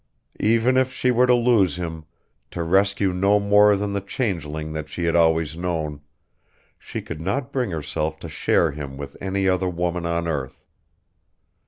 Even if she were to lose him, to rescue no more than the changeling that she had always known, she could not bring herself to share him with any other woman on earth.